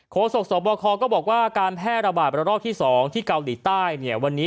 กศบคอยาร์ก็บอกว่าการแพร่ระบ่ายประโลกที่๒ที่เกาหลีใต้